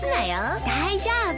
大丈夫。